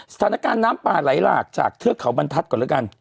สถานการณ์น้ำป่าไหลหลากจากเทือกเขาบรรทัศน์ก่อนแล้วกัน